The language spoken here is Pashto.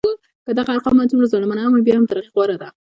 که دغه ارقام هر څومره ظالمانه هم وي بیا هم تر هغه غوره وو.